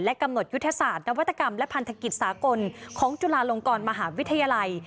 กำหนดยุทธศาสตร์นวัตกรรมและพันธกิจสากลของจุฬาลงกรมหาวิทยาลัย